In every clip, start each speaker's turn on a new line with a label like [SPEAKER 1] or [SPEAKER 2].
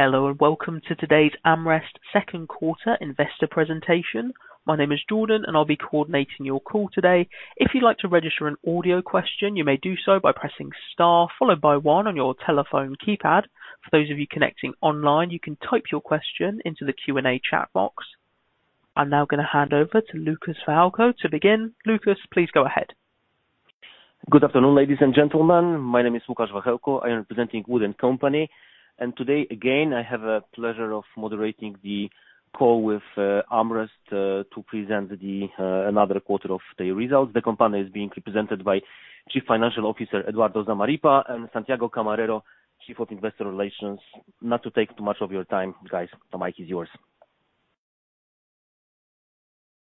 [SPEAKER 1] Hello and welcome to today's AmRest Second Quarter Investor Presentation. My name is Jordan, and I'll be coordinating your call today. If you'd like to register an audio question, you may do so by pressing star, followed by one on your telephone keypad. For those of you connecting online, you can type your question into the Q&A chat box. I'm now gonna hand over to Łukasz Wachełko to begin. Lukasz, please go ahead.
[SPEAKER 2] Good afternoon, ladies and gentlemen. My name is Łukasz Wachełko. I am presenting WOOD & Company. Today, again, I have a pleasure of moderating the call with AmRest to present the another quarter of the results. The company is being represented by Chief Financial Officer Eduardo Zamarripa and Santiago Camarero, Chief of Investor Relations. Not to take too much of your time, guys. The mic is yours.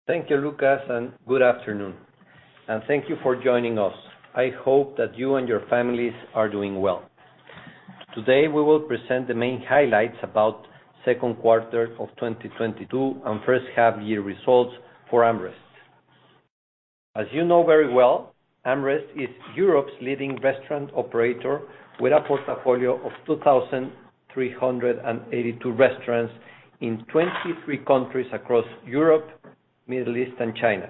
[SPEAKER 3] Thank you, Łukasz, and good afternoon, and thank you for joining us. I hope that you and your families are doing well. Today, we will present the main highlights about second quarter of 2022 and first half year results for AmRest. As you know very well, AmRest is Europe's leading restaurant operator with a portfolio of 2,382 restaurants in 23 countries across Europe, Middle East and China.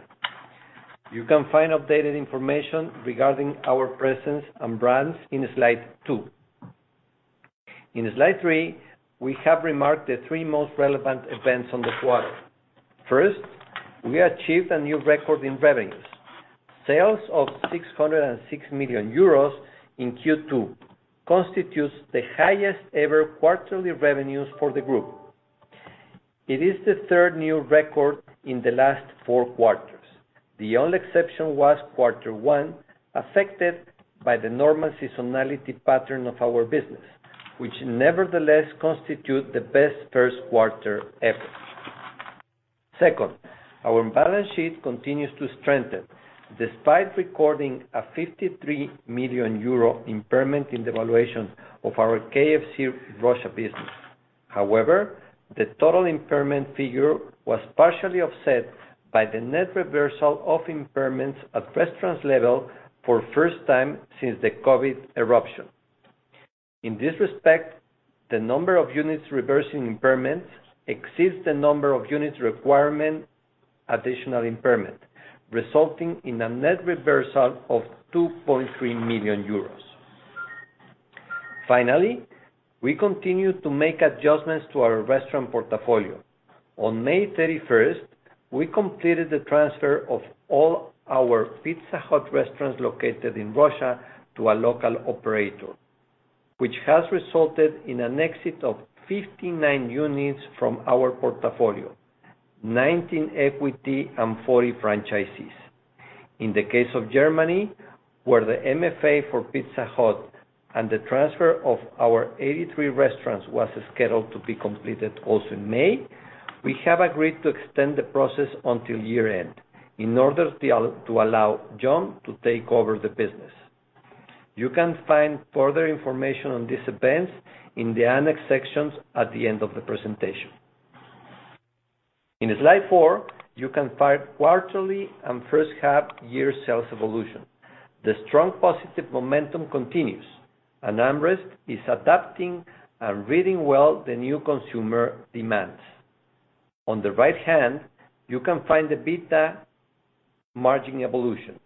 [SPEAKER 3] You can find updated information regarding our presence and brands in slide two. In slide three, we have remarked the three most relevant events on the quarter. First, we achieved a new record in revenues. Sales of 606 million euros in Q2 constitutes the highest ever quarterly revenues for the group. It is the third new record in the last four quarters. The only exception was quarter one, affected by the normal seasonality pattern of our business, which nevertheless constitute the best first quarter ever. Second, our balance sheet continues to strengthen despite recording a 53 million euro impairment in the valuation of our KFC Russia business. However, the total impairment figure was partially offset by the net reversal of impairments at restaurants level for first time since the COVID eruption. In this respect, the number of units reversing impairments exceeds the number of units requiring additional impairment, resulting in a net reversal of 2.3 million euros. Finally, we continue to make adjustments to our restaurant portfolio. On May 31st, we completed the transfer of all our Pizza Hut restaurants located in Russia to a local operator, which has resulted in an exit of 59 units from our portfolio, 19 equity and 40 franchises. In the case of Germany, where the MFA for Pizza Hut and the transfer of our 83 restaurants was scheduled to be completed also in May, we have agreed to extend the process until year-end in order to allow John to take over the business. You can find further information on these events in the annex sections at the end of the presentation. In slide four, you can find quarterly and first half year sales evolution. The strong positive momentum continues, and AmRest is adapting and reading well the new consumer demands. On the right hand, you can find the EBITDA margin evolution.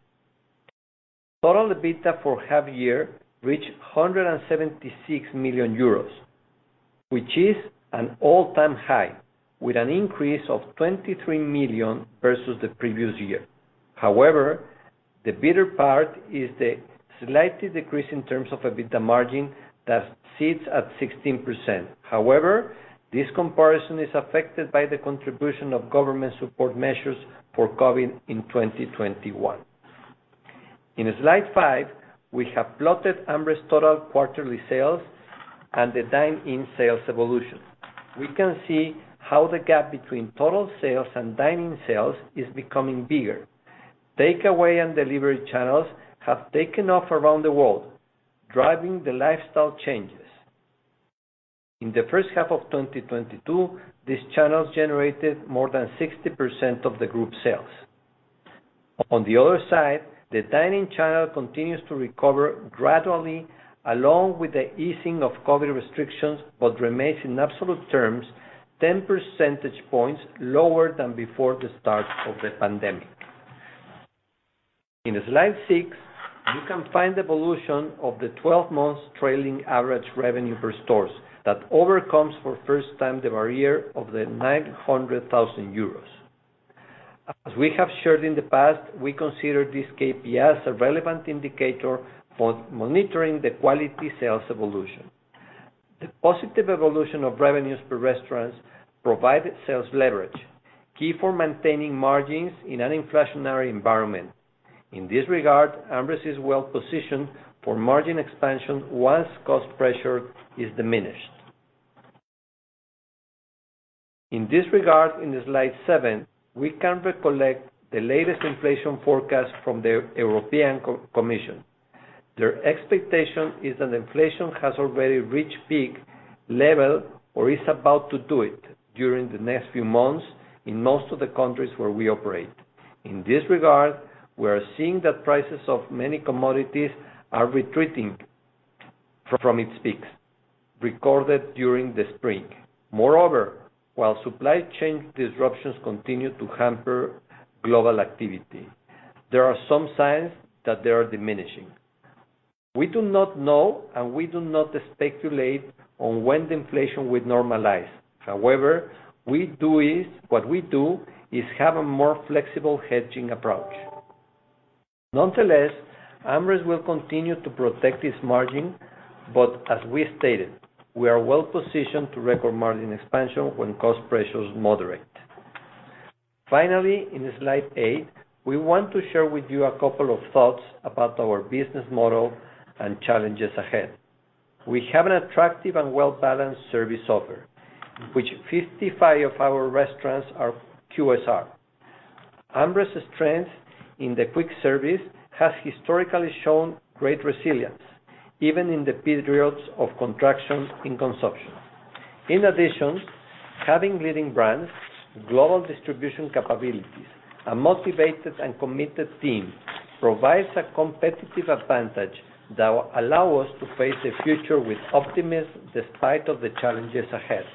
[SPEAKER 3] Total EBITDA for half year reached 176 million euros, which is an all-time high, with an increase of 23 million versus the previous year. However, the better part is the slight decrease in terms of EBITDA margin that sits at 16%. However, this comparison is affected by the contribution of government support measures for COVID in 2021. In slide five, we have plotted AmRest total quarterly sales and the dine-in sales evolution. We can see how the gap between total sales and dine-in sales is becoming bigger. Takeaway and delivery channels have taken off around the world, driving the lifestyle changes. In the first half of 2022, these channels generated more than 60% of the group sales. On the other side, the dine-in channel continues to recover gradually along with the easing of COVID restrictions, but remains in absolute terms 10 percentage points lower than before the start of the pandemic. In slide six, you can find the evolution of the 12 months trailing average revenue per stores that overcomes for first time the barrier of the 900,000 euros. As we have shared in the past, we consider this KPI as a relevant indicator for monitoring the quality sales evolution. The positive evolution of revenues per restaurants provide sales leverage, key for maintaining margins in an inflationary environment. In this regard, AmRest is well positioned for margin expansion once cost pressure is diminished. In this regard, in slide seven, we can recollect the latest inflation forecast from the European Commission. Their expectation is that inflation has already reached peak level or is about to do it during the next few months in most of the countries where we operate. In this regard, we are seeing that prices of many commodities are retreating from its peaks recorded during the spring. Moreover, while supply chain disruptions continue to hamper global activity, there are some signs that they are diminishing. We do not know, and we do not speculate on when the inflation will normalize. However, what we do is have a more flexible hedging approach. Nonetheless, AmRest will continue to protect its margin, but as we stated, we are well-positioned to record margin expansion when cost pressures moderate. Finally, in slide eight, we want to share with you a couple of thoughts about our business model and challenges ahead. We have an attractive and well-balanced service offer, which 55% of our restaurants are QSR. AmRest's strength in the quick service has historically shown great resilience, even in the periods of contraction in consumption. In addition, having leading brands, global distribution capabilities, a motivated and committed team provides a competitive advantage that allow us to face the future with optimism despite of the challenges ahead.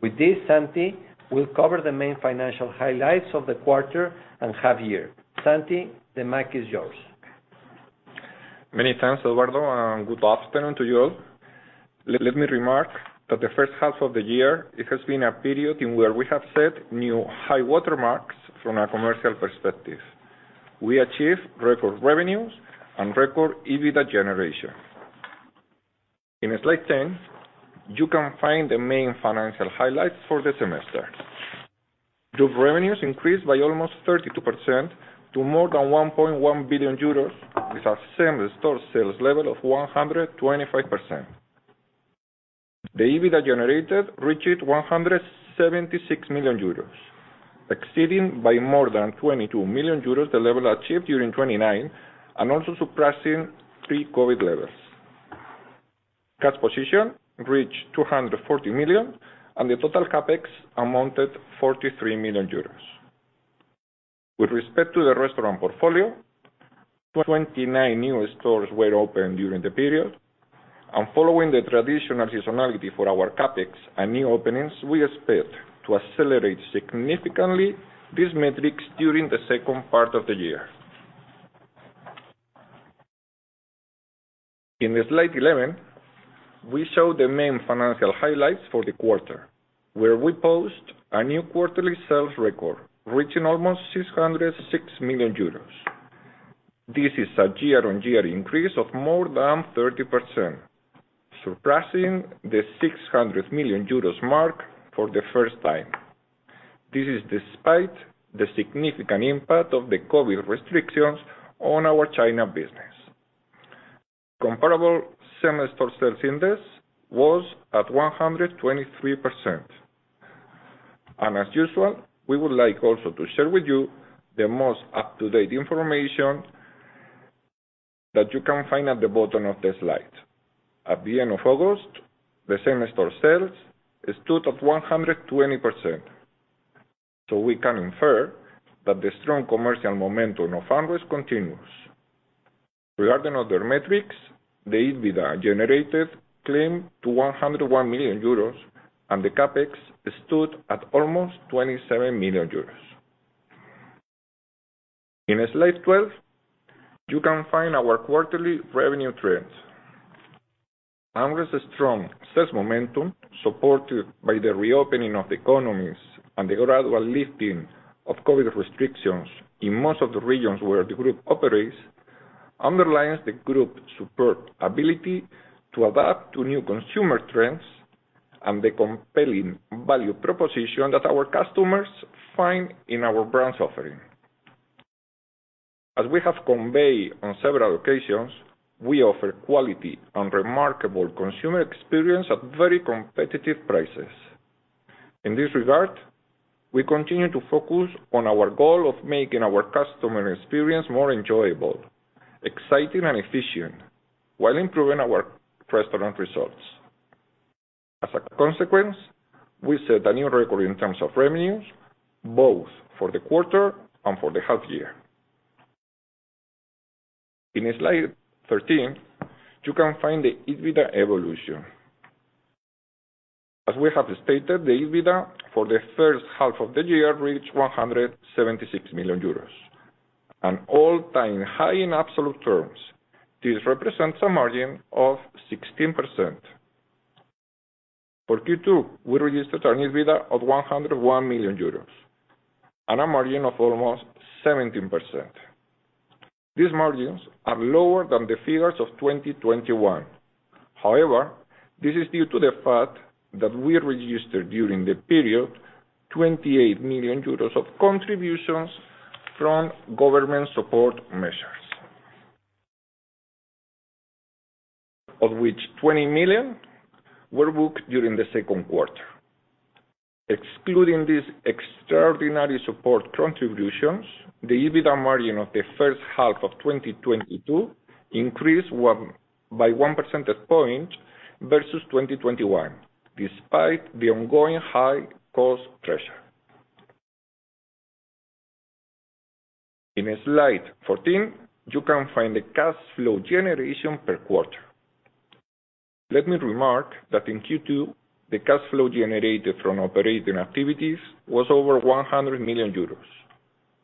[SPEAKER 3] With this, Santi will cover the main financial highlights of the quarter and half year. Santi, the mic is yours.
[SPEAKER 4] Many thanks, Eduardo, and good afternoon to you all. Let me remark that the first half of the year, it has been a period in which we have set new high water marks from a commercial perspective. We achieved record revenues and record EBITDA generation. In slide 10, you can find the main financial highlights for the semester. Group revenues increased by almost 32% to more than 1.1 billion euros, with the same-store sales level of 125%. The EBITDA generated reached 176 million euros, exceeding by more than 22 million euros the level achieved during 2019, and also surpassing pre-COVID levels. Cash position reached 240 million, and the total CapEx amounted to 43 million euros. With respect to the restaurant portfolio, 29 new stores were opened during the period. Following the traditional seasonality for our CapEx and new openings, we expect to accelerate significantly these metrics during the second part of the year. In slide 11, we show the main financial highlights for the quarter, where we post a new quarterly sales record, reaching almost 606 million euros. This is a year-on-year increase of more than 30%, surpassing the 600 million euros mark for the first time. This is despite the significant impact of the COVID restrictions on our China business. Comparable same-store sales index was at 123%. As usual, we would like also to share with you the most up-to-date information that you can find at the bottom of the slide. At the end of August, the same-store sales stood at 120%, so we can infer that the strong commercial momentum of AmRest continues. Regarding other metrics, the EBITDA generated climbed to 101 million euros, and the CapEx stood at almost 27 million euros. In slide 12, you can find our quarterly revenue trends. AmRest's strong sales momentum, supported by the reopening of the economies and the gradual lifting of COVID restrictions in most of the regions where the group operates, underlines the group's superb ability to adapt to new consumer trends and the compelling value proposition that our customers find in our brand offering. As we have conveyed on several occasions, we offer quality and remarkable consumer experience at very competitive prices. In this regard, we continue to focus on our goal of making our customer experience more enjoyable, exciting, and efficient while improving our restaurant results. As a consequence, we set a new record in terms of revenues, both for the quarter and for the half year. In slide 13, you can find the EBITDA evolution. As we have stated, the EBITDA for the first half of the year reached 176 million euros, an all-time high in absolute terms. This represents a margin of 16%. For Q2, we registered our EBITDA at 101 million euros and a margin of almost 17%. These margins are lower than the figures of 2021. However, this is due to the fact that we registered during the period 28 million euros of contributions from government support measures, of which 20 million were booked during the second quarter. Excluding these extraordinary support contributions, the EBITDA margin of the first half of 2022 increased by 1 percentage point versus 2021. Despite the ongoing high cost pressure. In slide 14, you can find the cash flow generation per quarter. Let me remark that in Q2, the cash flow generated from operating activities was over 100 million euros,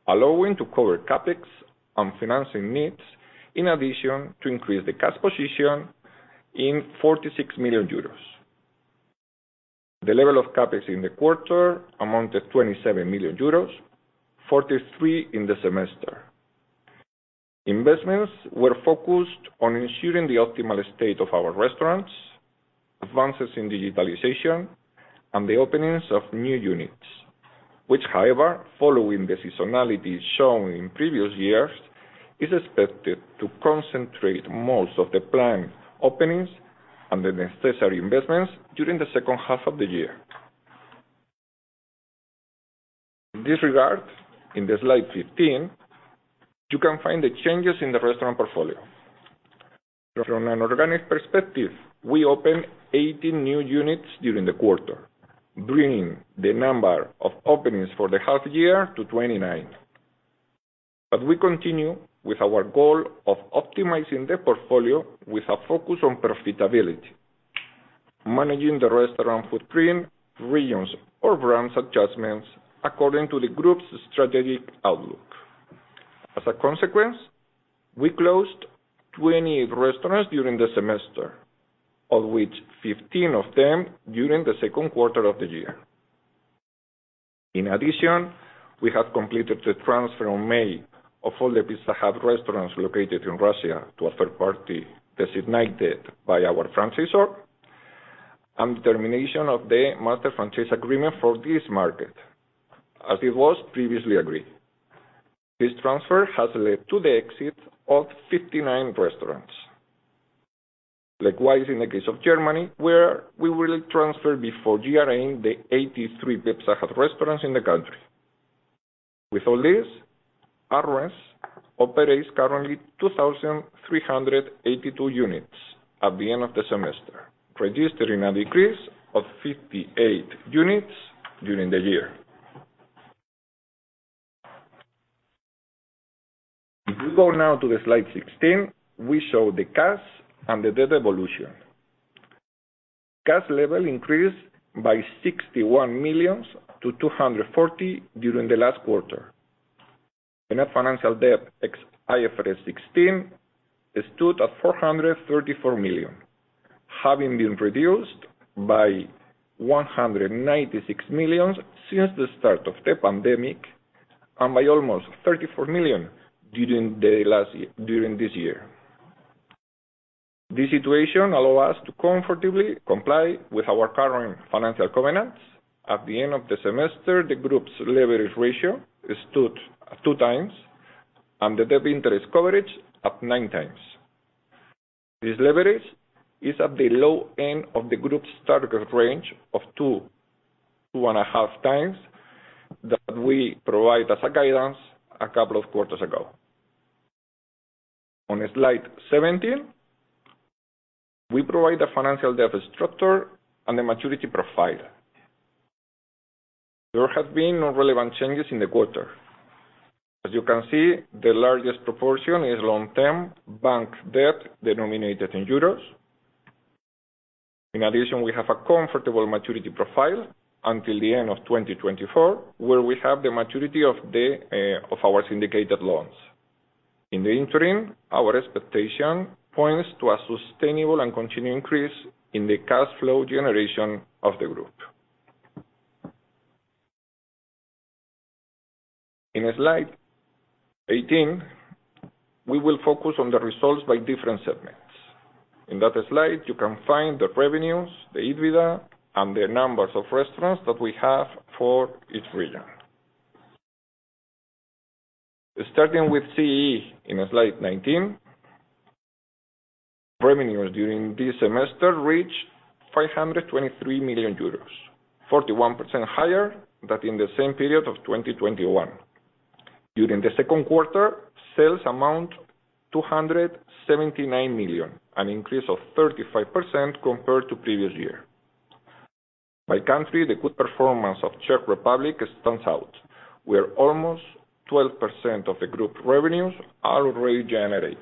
[SPEAKER 4] allowing to cover CapEx and financing needs, in addition to increase the cash position in 46 million euros. The level of CapEx in the quarter amounted 27 million euros, 43 million in the semester. Investments were focused on ensuring the optimal state of our restaurants, advances in digitalization, and the openings of new units, which, however, following the seasonality shown in previous years, is expected to concentrate most of the planned openings and the necessary investments during the second half of the year. In this regard, in the slide 15, you can find the changes in the restaurant portfolio. From an organic perspective, we opened 18 new units during the quarter, bringing the number of openings for the half year to 29. We continue with our goal of optimizing the portfolio with a focus on profitability. Managing the restaurant footprint, regions, or brands adjustments according to the group's strategic outlook. As a consequence, we closed 20 restaurants during the semester, of which 15 of them during the second quarter of the year. In addition, we have completed the transfer on May of all the Pizza Hut restaurants located in Russia to a third party designated by our franchisor, and the termination of the master franchise agreement for this market, as it was previously agreed. This transfer has led to the exit of 59 restaurants. Likewise, in the case of Germany, where we will transfer before year-end the 83 Pizza Hut restaurants in the country. With all this, AmRest operates currently 2,382 units at the end of the semester, registering a decrease of 58 units during the year. If you go now to the slide 16, we show the cash and the data evolution. Cash level increased by 61 million to 240 million during the last quarter. Net financial debt ex IFRS 16 stood at 434 million, having been reduced by 196 million since the start of the pandemic and by almost 34 million during this year. This situation allow us to comfortably comply with our current financial covenants. At the end of the semester, the group's leverage ratio stood at 2x, and the debt interest coverage at 9x. This leverage is at the low-end of the group's target range of 2x-2.5x that we provide as a guidance a couple of quarters ago. On slide 17, we provide the financial debt structure and the maturity profile. There have been no relevant changes in the quarter. As you can see, the largest proportion is long-term bank debt denominated in euros. In addition, we have a comfortable maturity profile until the end of 2024, where we have the maturity of our syndicated loans. In the interim, our expectation points to a sustainable and continued increase in the cash flow generation of the group. On slide 18, we will focus on the results by different segments. In that slide, you can find the revenues, the EBITDA, and the numbers of restaurants that we have for each region. Starting with CEE in slide 19, revenues during this semester reached 523 million euros, 41% higher than in the same period of 2021. During the second quarter, sales amounted to 279 million, an increase of 35% compared to previous year. By country, the good performance of Czech Republic stands out, where almost 12% of the group revenues are already generated.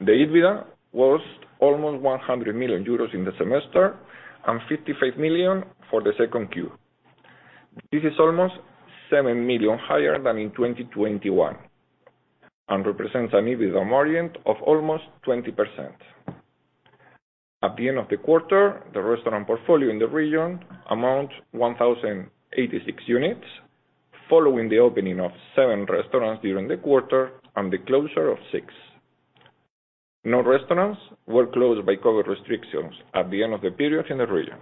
[SPEAKER 4] The EBITDA was almost 100 million euros in the semester and 55 million for the second Q. This is almost 7 million higher than in 2021 and represents an EBITDA margin of almost 20%. At the end of the quarter, the restaurant portfolio in the region amounted to 1,086 units, following the opening of seven restaurants during the quarter and the closure of six. No restaurants were closed by COVID restrictions at the end of the period in the region.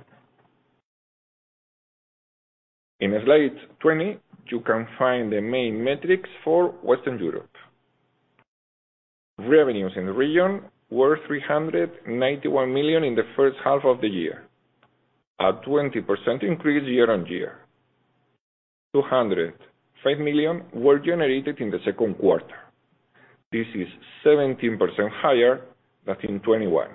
[SPEAKER 4] In slide 20, you can find the main metrics for Western Europe. Revenues in the region were 391 million in the first half of the year, a 20% increase year-on-year. 205 million were generated in the second quarter. This is 17% higher than in 2021.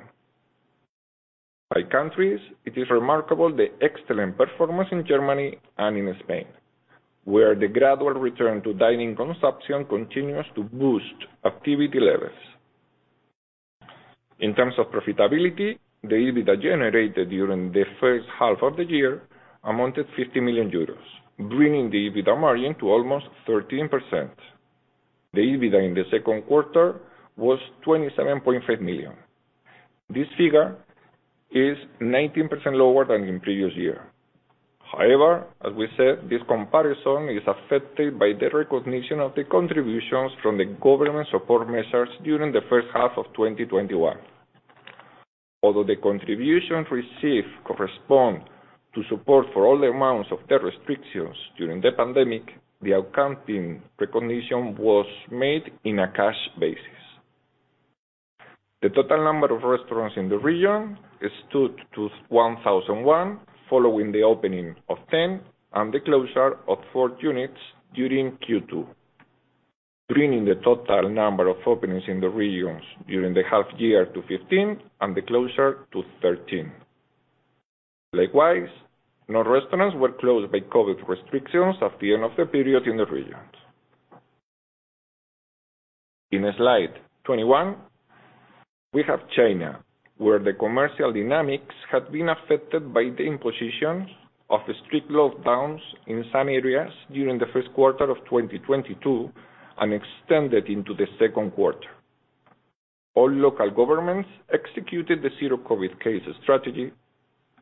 [SPEAKER 4] By countries, it is remarkable the excellent performance in Germany and in Spain, where the gradual return to dining consumption continues to boost activity levels. In terms of profitability, the EBITDA generated during the first half of the year amounted 50 million euros, bringing the EBITDA margin to almost 13%. The EBITDA in the second quarter was 27.5 million. This figure is 19% lower than the previous year. However, as we said, this comparison is affected by the recognition of the contributions from the government support measures during the first half of 2021. Although the contributions received correspond to support for all the amounts of the restrictions during the pandemic, the accounting recognition was made in a cash basis. The total number of restaurants in the region stood to 1,001, following the opening of 10 and the closure of four units during Q2. Bringing the total number of openings in the regions during the half year to 15 and the closure to 13. Likewise, no restaurants were closed by COVID restrictions at the end of the period in the regions. In slide 21, we have China, where the commercial dynamics had been affected by the imposition of strict lockdowns in some areas during the first quarter of 2022 and extended into the second quarter. All local governments executed the zero-COVID case strategy,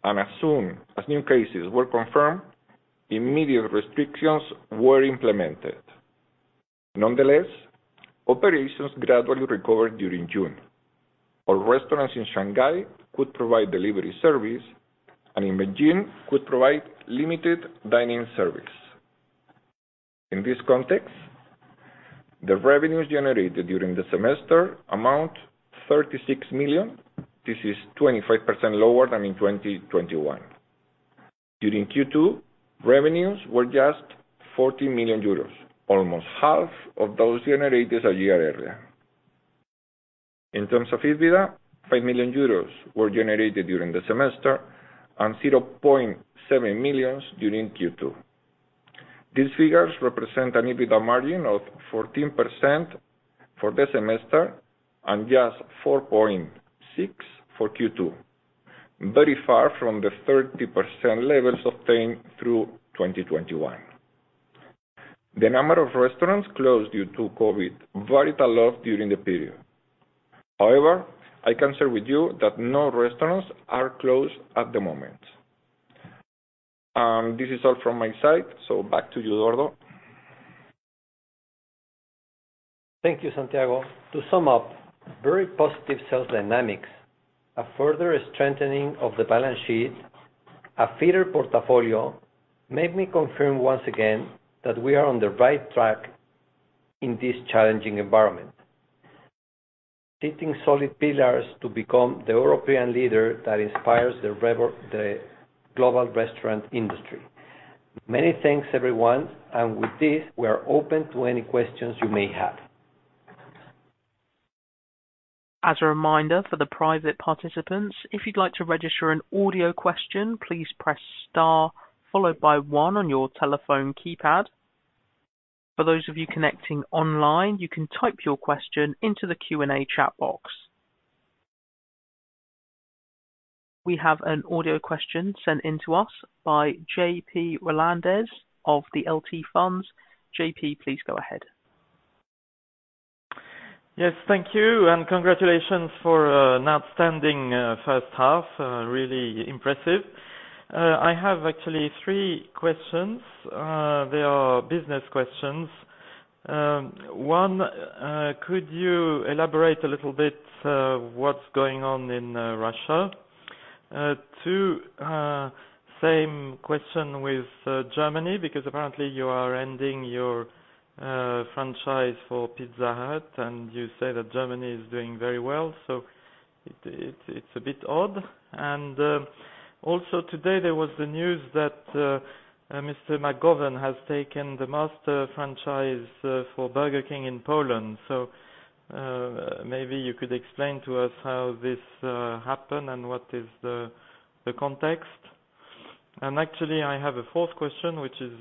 [SPEAKER 4] and as soon as new cases were confirmed, immediate restrictions were implemented. Nonetheless, operations gradually recovered during June. All restaurants in Shanghai could provide delivery service, and in Beijing could provide limited dining service. In this context, the revenues generated during the semester amount 36 million. This is 25% lower than in 2021. During Q2, revenues were just 40 million euros, almost half of those generated a year earlier. In terms of EBITDA, 5 million euros were generated during the semester and 0.7 million during Q2. These figures represent an EBITDA margin of 14% for the semester and just 4.6% for Q2, very far from the 30% levels obtained through 2021. The number of restaurants closed due to COVID varied a lot during the period. However, I can share with you that no restaurants are closed at the moment. This is all from my side. Back to you, Eduardo.
[SPEAKER 3] Thank you, Santiago. To sum up, very positive sales dynamics, a further strengthening of the balance sheet, a fitter portfolio, made me confirm once again that we are on the right track in this challenging environment. Setting solid pillars to become the European leader that inspires the global restaurant industry. Many thanks, everyone. With this, we are open to any questions you may have.
[SPEAKER 1] As a reminder for the private participants, if you'd like to register an audio question, please press star followed by one on your telephone keypad. For those of you connecting online, you can type your question into the Q&A chat box. We have an audio question sent into us by J.P. Rolandez of the L.T. Funds. J.P., please go ahead.
[SPEAKER 5] Yes, thank you and congratulations for an outstanding first half. Really impressive. I have actually three questions. They are business questions. One, could you elaborate a little bit, what's going on in Russia? Two, same question with Germany, because apparently you are ending your franchise for Pizza Hut, and you say that Germany is doing very well, so it's a bit odd. Also today there was the news that Henry McGovern has taken the master franchise for Burger King in Poland. Maybe you could explain to us how this happened and what is the context. Actually, I have a fourth question, which is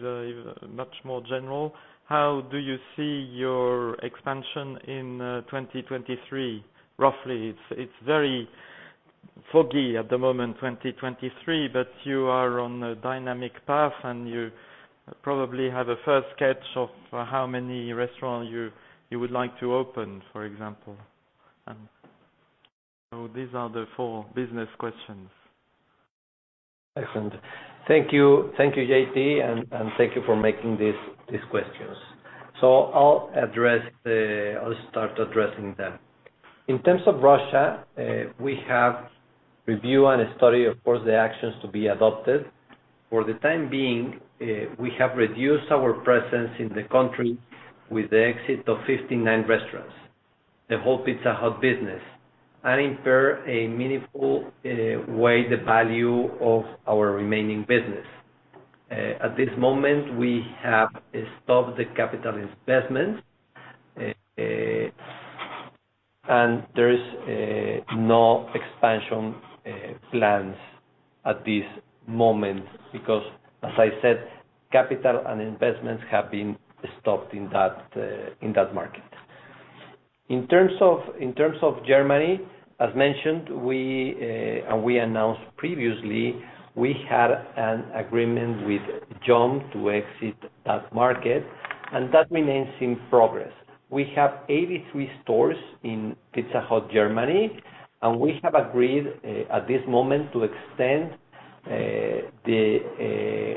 [SPEAKER 5] much more general. How do you see your expansion in 2023, roughly? It's very foggy at the moment, 2023, but you are on a dynamic path, and you probably have a first sketch of how many restaurants you would like to open, for example. These are the four business questions.
[SPEAKER 3] Excellent. Thank you. Thank you, JP. Thank you for making these questions. I'll start addressing them. In terms of Russia, we have reviewed and studied, of course, the actions to be adopted. For the time being, we have reduced our presence in the country with the exit of 59 restaurants. The whole Pizza Hut business and impaired in a meaningful way the value of our remaining business. At this moment, we have stopped the capital investments. There is no expansion plans at this moment because, as I said, capital investments have been stopped in that market. In terms of Germany, as mentioned, we announced previously, we had an agreement with Yum to exit that market, and that remains in progress. We have 83 stores in Pizza Hut, Germany, and we have agreed at this moment to extend the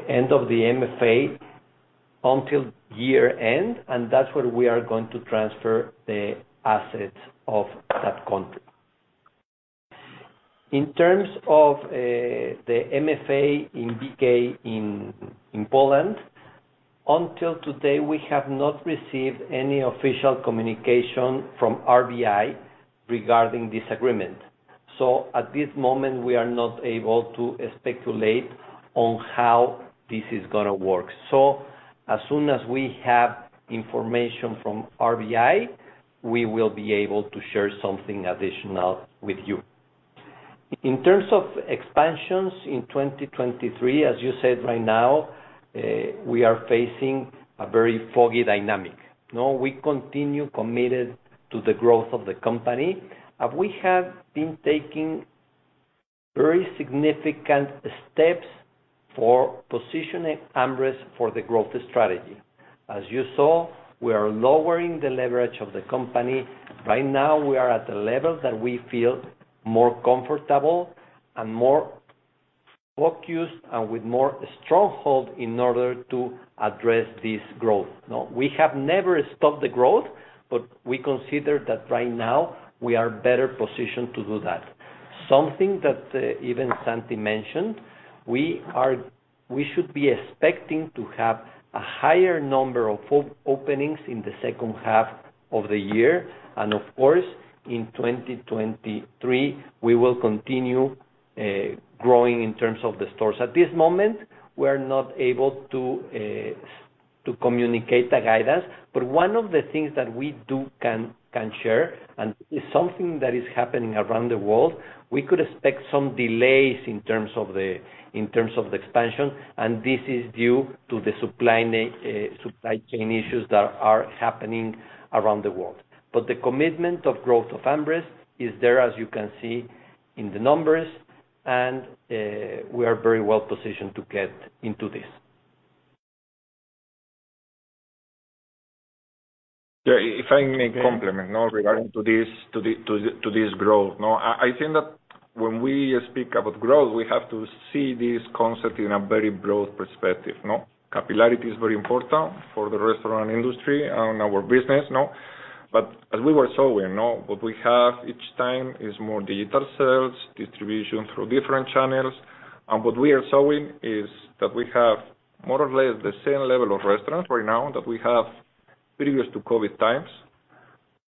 [SPEAKER 3] end of the MFA until year-end, and that's where we are going to transfer the assets of that country. In terms of the MFA in BK in Poland, until today we have not received any official communication from RBI regarding this agreement. At this moment, we are not able to speculate on how this is gonna work. As soon as we have information from RBI, we will be able to share something additional with you. In terms of expansions in 2023, as you said right now, we are facing a very foggy dynamic. Now, we continue committed to the growth of the company, and we have been taking very significant steps for positioning AmRest for the growth strategy. As you saw, we are lowering the leverage of the company. Right now, we are at a level that we feel more comfortable and more focused and with more stronghold in order to address this growth. Now, we have never stopped the growth, but we consider that right now we are better positioned to do that. Something that even Santi mentioned, we should be expecting to have a higher number of openings in the second half of the year, and of course, in 2023, we will continue growing in terms of the stores. At this moment, we're not able to communicate the guidance, but one of the things that we can share, and it's something that is happening around the world. We could expect some delays in terms of the expansion, and this is due to the supply chain issues that are happening around the world. The commitment of growth of AmRest is there, as you can see in the numbers, and we are very well positioned to get into this.
[SPEAKER 4] Yeah, if I may comment, regarding this growth. I think that when we speak about growth, we have to see this concept in a very broad perspective, no? Capillarity is very important for the restaurant industry and our business, no? As we were showing, what we have each time is more digital sales, distribution through different channels. What we are showing is that we have more or less the same level of restaurants right now that we have previous to COVID times.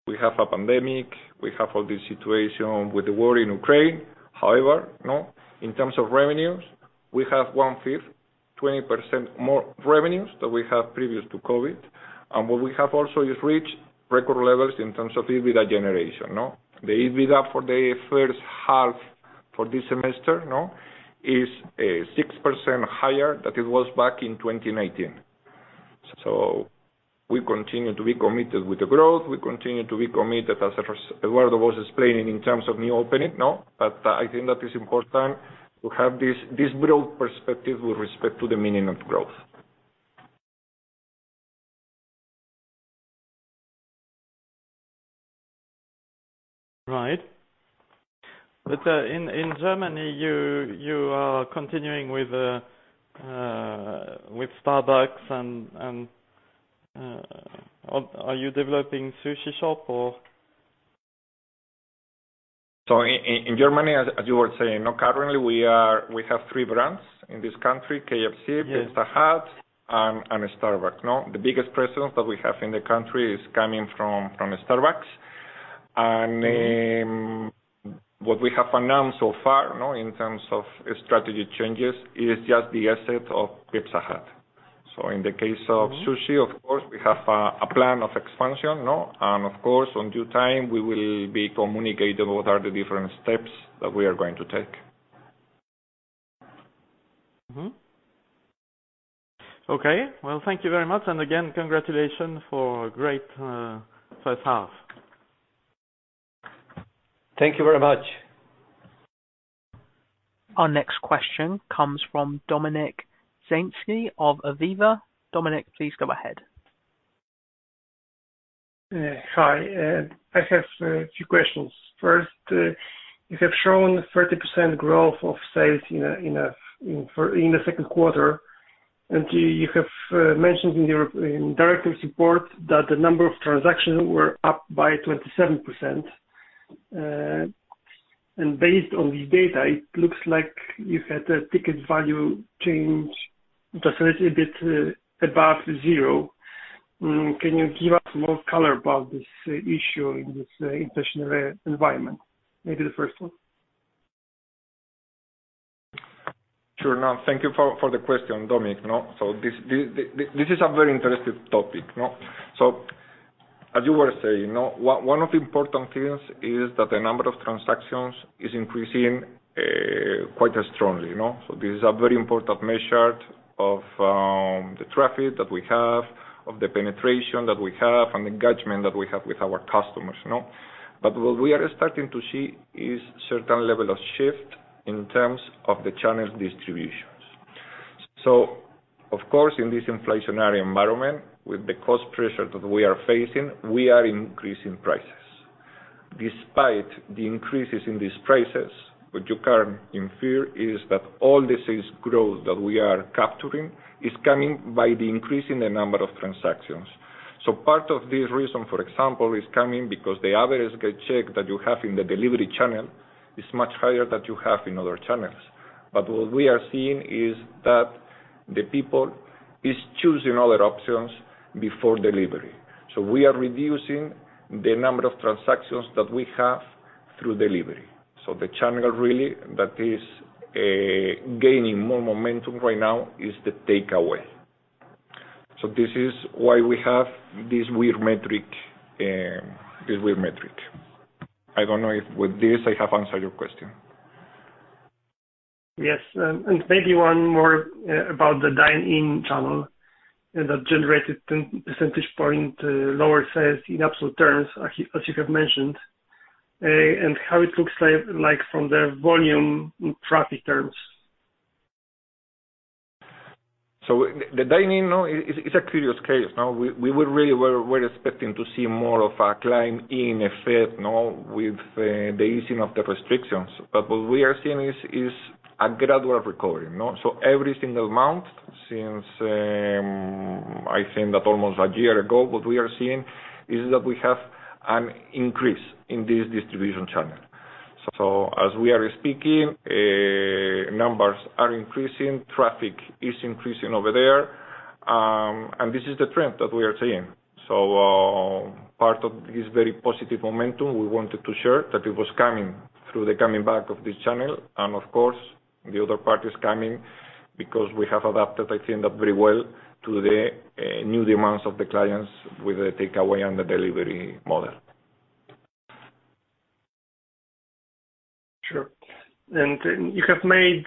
[SPEAKER 4] We have a pandemic, we have all this situation with the war in Ukraine. However, in terms of revenues, we have 1/5, 20% more revenues than we have previous to COVID. We have also reached record-levels in terms of EBITDA generation, no? The EBITDA for the first half for this semester is 6% higher than it was back in 2019. We continue to be committed with the growth. We continue to be committed, as Eduardo was explaining, in terms of new opening. I think that is important to have this broad perspective with respect to the meaning of growth.
[SPEAKER 5] In Germany, you are continuing with Starbucks and are you developing Sushi Shop or?
[SPEAKER 4] In Germany, as you were saying, currently we have three brands in this country, KFC-
[SPEAKER 5] Yes.
[SPEAKER 4] Pizza Hut and Starbucks, no? The biggest presence that we have in the country is coming from Starbucks. What we have announced so far, no, in terms of strategy changes is just the asset of Pizza Hut. In the case of Sushi Shop, of course, we have a plan of expansion, no? Of course, in due time, we will be communicating what are the different steps that we are going to take.
[SPEAKER 5] Okay. Well, thank you very much. Again, congratulations for a great first half.
[SPEAKER 3] Thank you very much.
[SPEAKER 1] Our next question comes from Dominik Szafranowski of Aviva. Dominik, please go ahead.
[SPEAKER 6] Hi. I have a few questions. First, you have shown 30% growth of sales in the second quarter. You have mentioned in your director's report that the number of transactions were up by 27%. Based on these data, it looks like you had a ticket value change just a little bit above zero. Can you give us more color about this issue in this inflationary environment? Maybe the first one.
[SPEAKER 4] Sure. No, thank you for the question, Dominik. No, this is a very interesting topic, no? As you were saying, no, one of the important things is that the number of transactions is increasing quite strongly, you know. This is a very important measure of the traffic that we have, of the penetration that we have, and engagement that we have with our customers, you know. What we are starting to see is certain level of shift in terms of the channel distributions. Of course, in this inflationary environment, with the cost pressure that we are facing, we are increasing prices. Despite the increases in these prices, what you can infer is that all this is growth that we are capturing is coming by the increase in the number of transactions. Part of this reason, for example, is coming because the average check that you have in the delivery channel is much higher than you have in other channels. What we are seeing is that the people is choosing other options before delivery. We are reducing the number of transactions that we have through delivery. The channel really that is gaining more momentum right now is the takeaway. This is why we have this weird metric. I don't know if with this I have answered your question.
[SPEAKER 6] Yes. Maybe one more about the dine-in channel and that generated 10 percentage point lower sales in absolute terms, as you have mentioned, and how it looks like from the volume traffic terms?
[SPEAKER 4] The dine-in is a curious case. We were really expecting to see more of a climb in effect with the easing of the restrictions. What we are seeing is a gradual recovery. Every single month since I think almost a year ago, what we are seeing is that we have an increase in this distribution channel. As we are speaking, numbers are increasing, traffic is increasing over there, and this is the trend that we are seeing. Part of this very positive momentum, we wanted to share that it was coming through the coming back of this channel. Of course, the other part is coming because we have adapted, I think, that very well to the new demands of the clients with the takeaway and the delivery model.
[SPEAKER 6] Sure. You have made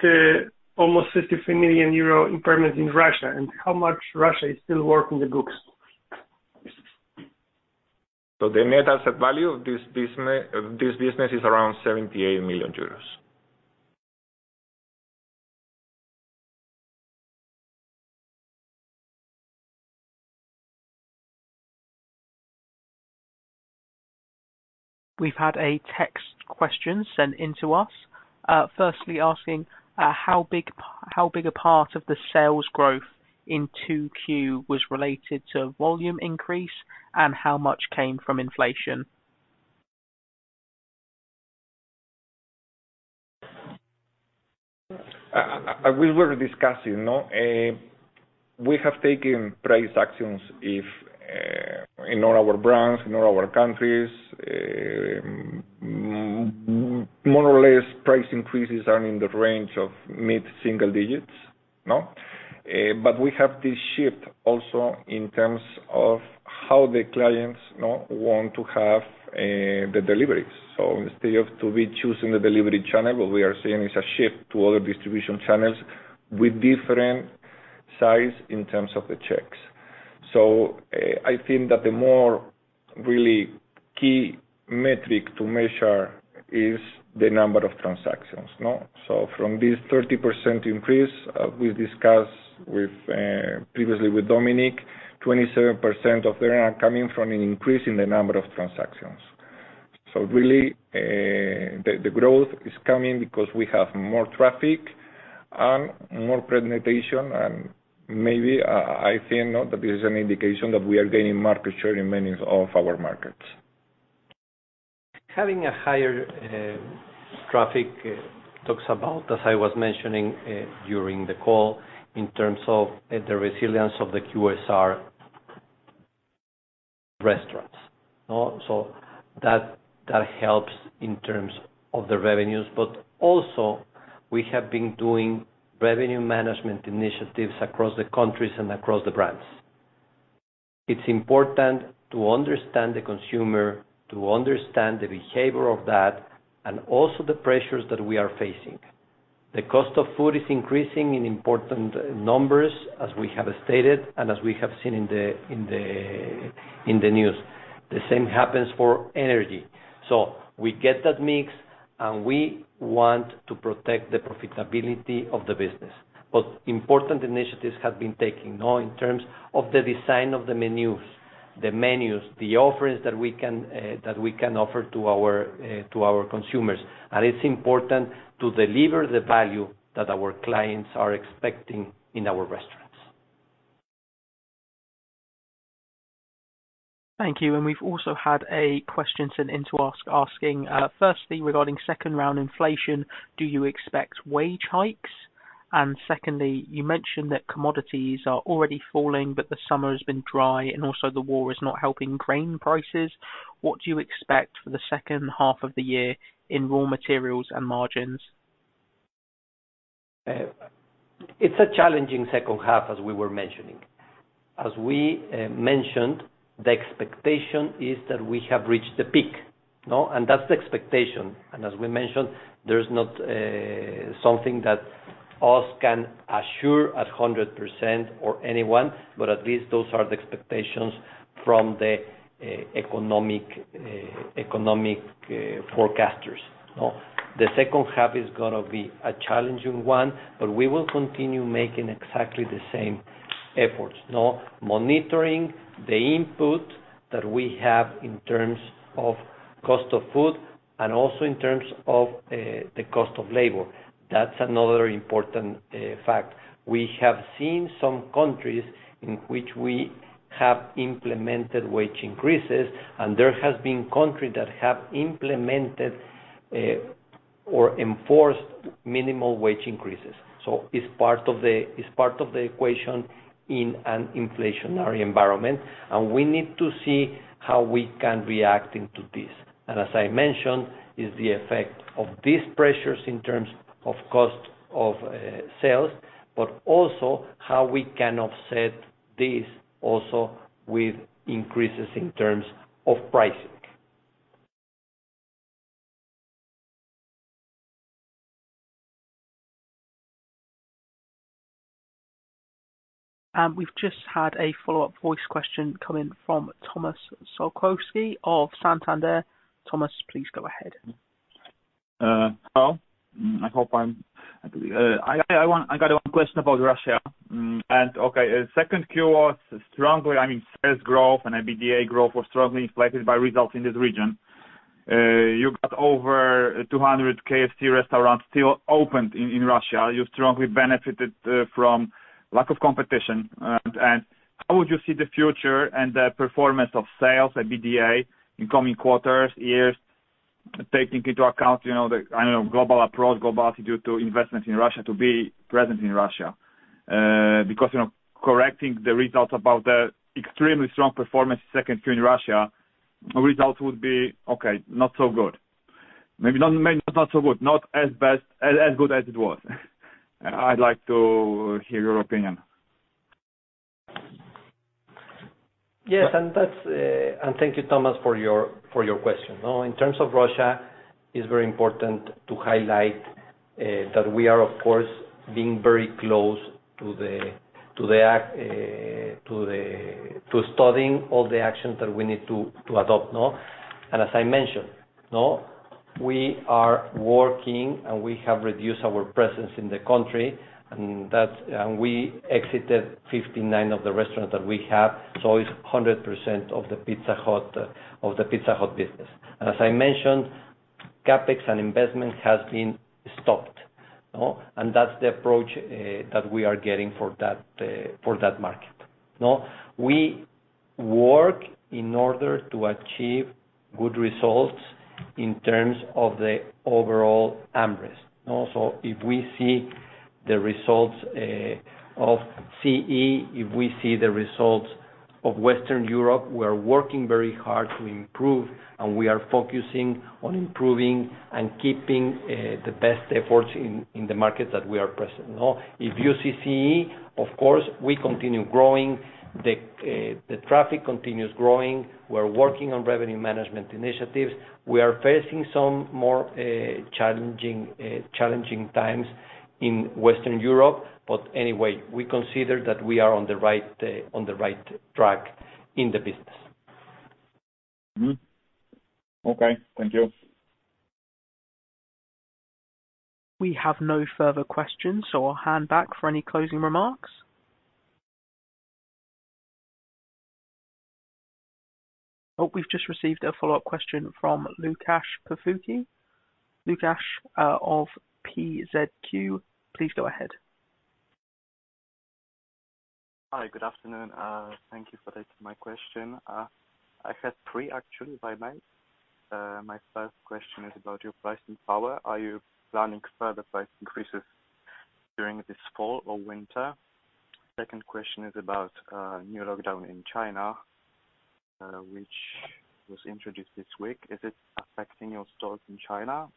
[SPEAKER 6] almost 50 million euro impairment in Russia. How much Russia is still worth in the books?
[SPEAKER 4] The net asset value of this business is around 78 million euros+.
[SPEAKER 1] We've had a text question sent into us, firstly asking, how big a part of the sales growth in 2Q was related to volume increase, and how much came from inflation?
[SPEAKER 4] We have taken price actions in all our brands, in all our countries. More or less, price increases are in the range of mid-single digits. We have this shift also in terms of how the clients want to have the deliveries. Instead of to be choosing the delivery channel, what we are seeing is a shift to other distribution channels with different size in terms of the checks. I think that the more really key metric to measure is the number of transactions. From this 30% increase we discussed previously with Dominik, 27% of that are coming from an increase in the number of transactions. Really, the growth is coming because we have more traffic and more presentation and maybe that this is an indication that we are gaining market share in many of our markets.
[SPEAKER 3] Having a higher traffic talks about, as I was mentioning during the call, in terms of the resilience of the QSR restaurants, no? That helps in terms of the revenues, but also we have been doing revenue management initiatives across the countries and across the brands. It's important to understand the consumer, to understand the behavior of that, and also the pressures that we are facing. The cost of food is increasing in important numbers, as we have stated, and as we have seen in the news. The same happens for energy. We get that mix, and we want to protect the profitability of the business. Important initiatives have been taken, no, in terms of the design of the menus. The menus, the offerings that we can offer to our consumers. It's important to deliver the value that our clients are expecting in our restaurants.
[SPEAKER 1] Thank you. We've also had a question sent in asking firstly regarding second round inflation, do you expect wage hikes? Secondly, you mentioned that commodities are already falling, but the summer has been dry and also the war is not helping grain prices. What do you expect for the second half of the year in raw materials and margins?
[SPEAKER 3] It's a challenging second half, as we were mentioning. As we mentioned, the expectation is that we have reached the peak. No? That's the expectation. As we mentioned, there's not something that we can assure at 100% or anyone, but at least those are the expectations from the economic forecasters. No? The second half is gonna be a challenging one, but we will continue making exactly the same efforts. No? Monitoring the input that we have in terms of cost of food and also in terms of the cost of labor. That's another important fact. We have seen some countries in which we have implemented wage increases, and there has been countries that have implemented or enforced minimum wage increases. It's part of the equation in an inflationary environment, and we need to see how we can react into this. As I mentioned, it's the effect of these pressures in terms of cost of sales, but also how we can offset this also with increases in terms of pricing.
[SPEAKER 1] We've just had a follow-up voice question come in from Tomasz Sokołowski of Santander. Tomasz, please go ahead.
[SPEAKER 7] Hello. I got one question about Russia. Okay, second Q was strongly, I mean, sales growth and EBITDA growth was strongly inflated by results in this region. You got over 200 KFC restaurants still opened in Russia. You strongly benefited from lack of competition. How would you see the future and the performance of sales at EBITDA in coming quarters, years, taking into account, you know, the, I don't know, global approach, global attitude to investment in Russia to be present in Russia? Because, you know, correcting the results about the extremely strong performance second Q in Russia, results would be okay, not so good. Maybe not so good, not as good as it was. I'd like to hear your opinion.
[SPEAKER 3] Yes, that's. Thank you, Tomasz, for your question. Now, in terms of Russia, it's very important to highlight that we are of course being very close to studying all the actions that we need to adopt, no? As I mentioned, we are working and we have reduced our presence in the country, and we exited 59 of the restaurants that we have, so it's 100% of the Pizza Hut business. As I mentioned, CapEx and investment has been stopped, no? That's the approach that we are getting for that market, no? We work in order to achieve good results in terms of the overall AmRest, no? If we see the results of CEE, if we see the results of Western Europe, we are working very hard to improve and we are focusing on improving and keeping the best efforts in the markets that we are present, no? If you see CEE, of course, we continue growing. The traffic continues growing. We're working on revenue management initiatives. We are facing some more challenging times in Western Europe, but anyway, we consider that we are on the right track in the business.
[SPEAKER 7] Okay. Thank you.
[SPEAKER 1] We have no further questions, so I'll hand back for any closing remarks. Oh, we've just received a follow-up question from Łukasz Kosiarski. Łukasz, of PKO, please go ahead.
[SPEAKER 8] Hi. Good afternoon. Thank you for taking my question. I have three actually if I may. My first question is about your pricing power. Are you planning further price increases during this fall or winter? Second question is about new lockdown in China, which was introduced this week. Is it affecting your stores in China,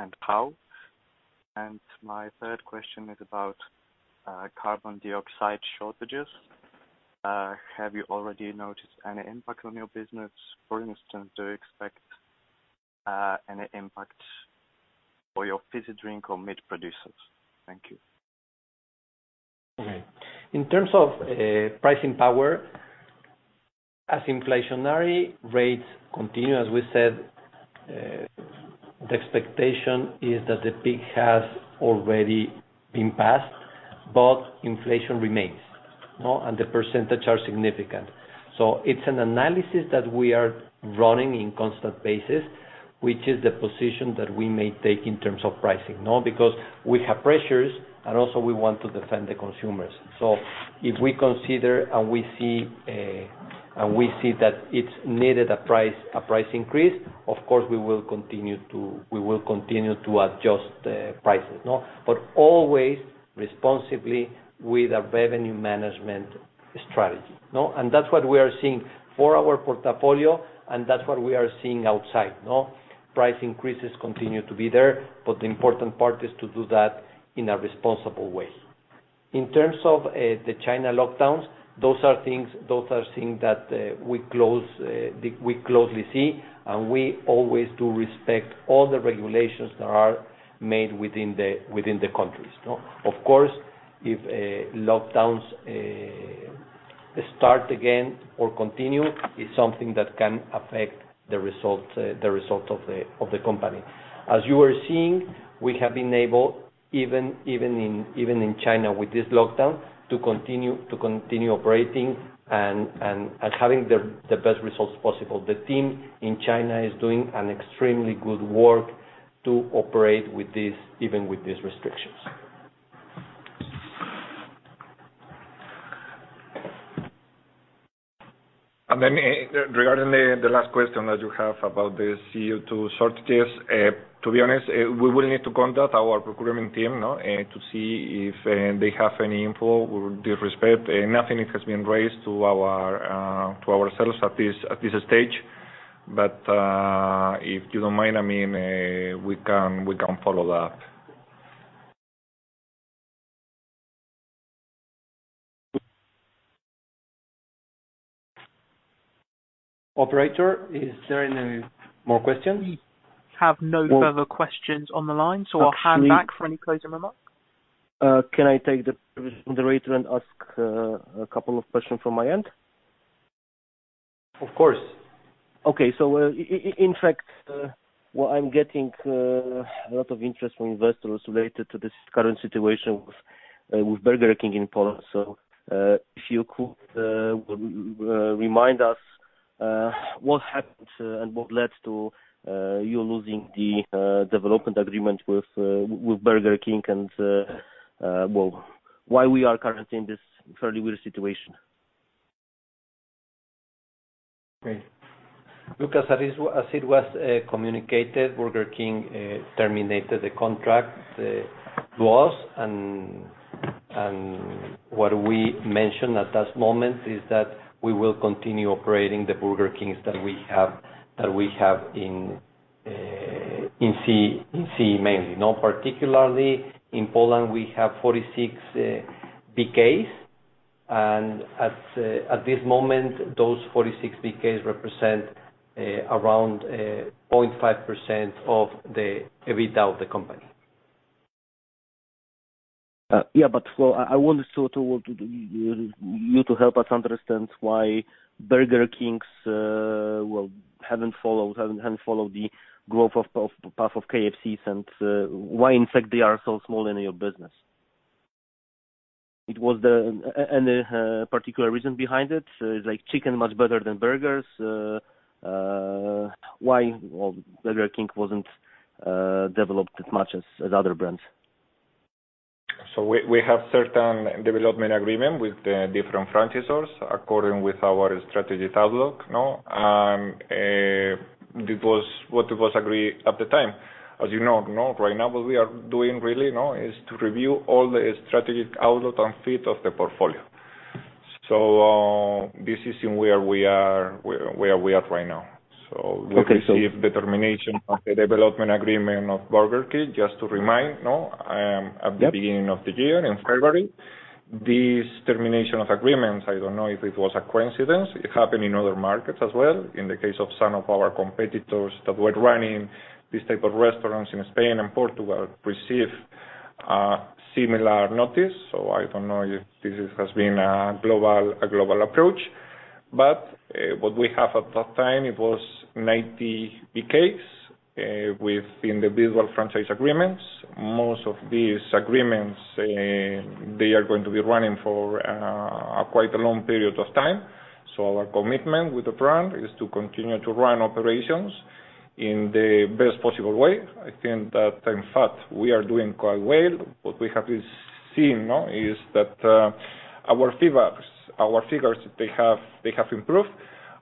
[SPEAKER 8] and how? My third question is about carbon dioxide shortages. Have you already noticed any impact on your business? For instance, do you expect any impact for your fizzy drink or meat producers? Thank you.
[SPEAKER 3] Okay. In terms of pricing power, as inflationary rates continue, as we said, the expectation is that the peak has already been passed, but inflation remains. No? The percentages are significant. It's an analysis that we are running on a constant basis. Which is the position that we may take in terms of pricing, no? Because we have pressures and also we want to defend the consumers. If we consider and we see that it's needed a price increase, of course, we will continue to adjust the prices, no? Always responsibly with a revenue management strategy, no? That's what we are seeing for our portfolio, and that's what we are seeing outside, no? Price increases continue to be there, but the important part is to do that in a responsible way. In terms of the China lockdowns, those are things that we closely see, and we always do respect all the regulations that are made within the countries. Of course, if lockdowns start again or continue, it's something that can affect the results of the company. As you are seeing, we have been able, even in China with this lockdown, to continue operating and having the best results possible. The team in China is doing an extremely good work to operate with this, even with these restrictions.
[SPEAKER 4] Regarding the last question that you have about the CO2 shortages. To be honest, we will need to contact our procurement team, no? To see if they have any info with due respect. Nothing has been raised to our to ourselves at this stage. If you don't mind, I mean, we can follow that.
[SPEAKER 3] Operator, is there any more questions?
[SPEAKER 1] We have no further questions on the line, so I'll hand back for any closing remarks.
[SPEAKER 2] Can I take the rate and ask a couple of questions from my end?
[SPEAKER 3] Of course.
[SPEAKER 2] Okay. In fact, what I'm getting a lot of interest from investors related to this current situation with Burger King in Poland. If you could remind us what happened and what led to you losing the development agreement with Burger King and well, why we are currently in this fairly weird situation?
[SPEAKER 3] Great. Look, as it was communicated, Burger King terminated the contract to us, and what we mentioned at that moment is that we will continue operating the Burger Kings that we have in CEE mainly. Now, particularly in Poland, we have 46 BKs, and at this moment, those 46 BKs represent around 0.5% of the EBITDA of the company.
[SPEAKER 2] I want to sort of you to help us understand why Burger King haven't followed the growth path of KFC's, and why in fact they are so small in your business. Any particular reason behind it? Is like chicken much better than burgers? Why, well, Burger King wasn't developed as much as other brands?
[SPEAKER 4] We have certain development agreement with the different franchisors according to our strategic outlook, no? It was what it was agreed at the time. As you know, right now, what we are doing really now is to review all the strategic outlook and fit of the portfolio. This is where we are at right now. We received the termination of the development agreement of Burger King, just to remind now.
[SPEAKER 2] Yeah.
[SPEAKER 4] At the beginning of the year in February. This termination of agreements, I don't know if it was a coincidence, it happened in other markets as well. In the case of some of our competitors that were running this type of restaurants in Spain and Portugal received a similar notice. I don't know if this has been a global approach. What we have at that time, it was 90 BKs within the usual franchise agreements. Most of these agreements, they are going to be running for quite a long period of time. Our commitment with the brand is to continue to run operations in the best possible way. I think that in fact, we are doing quite well. What we have seen now is that our figures they have improved.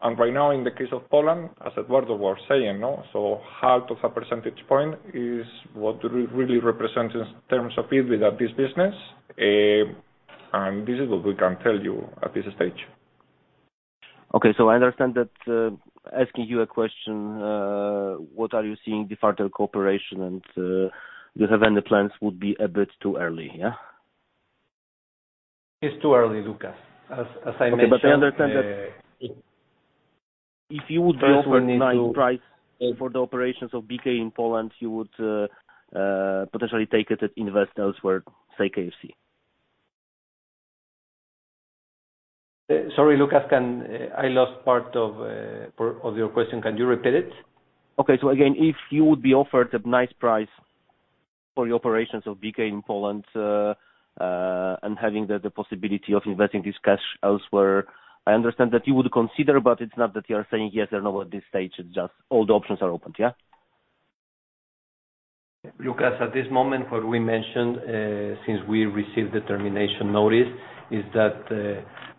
[SPEAKER 4] Right now, in the case of Poland, as Eduardo was saying, no, so half of a percentage point is what really represents in terms of EBITDA of this business. This is what we can tell you at this stage.
[SPEAKER 2] Okay. I understand that, asking you a question, what are you seeing the further cooperation and, do you have any plans would be a bit too early, yeah?
[SPEAKER 3] It's too early, Łukasz. As I mentioned.
[SPEAKER 2] Okay. I understand that if you would be offered a nice price for the operations of BK in Poland, you would potentially take it and invest elsewhere, say KFC.
[SPEAKER 3] Sorry, Łukasz. I lost part of your question. Can you repeat it?
[SPEAKER 2] Okay. Again, if you would be offered a nice price for the operations of BK in Poland, and having the possibility of investing this cash elsewhere, I understand that you would consider, but it's not that you are saying yes or no at this stage, it's just all the options are open, yeah?
[SPEAKER 3] Łukasz, at this moment, what we mentioned, since we received the termination notice, is that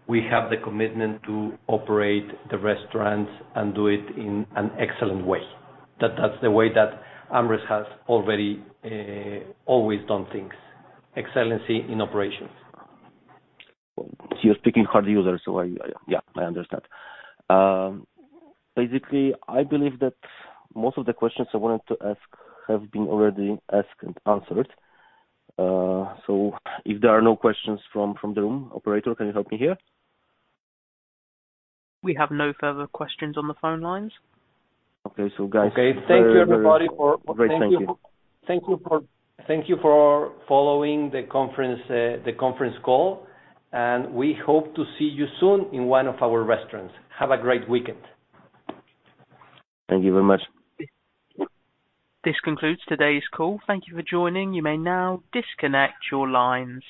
[SPEAKER 3] we have the commitment to operate the restaurants and do it in an excellent way. That's the way that AmRest has already always done things, excellency in operations.
[SPEAKER 2] You're speaking to the host. Yeah, I understand. Basically, I believe that most of the questions I wanted to ask have been already asked and answered. If there are no questions from the room, operator, can you help me here?
[SPEAKER 1] We have no further questions on the phone lines.
[SPEAKER 2] Okay, guys.
[SPEAKER 3] Okay. Thank you, everybody.
[SPEAKER 2] Great. Thank you.
[SPEAKER 3] Thank you for following the conference call. We hope to see you soon in one of our restaurants. Have a great weekend.
[SPEAKER 2] Thank you very much.
[SPEAKER 1] This concludes today's call. Thank you for joining. You may now disconnect your lines.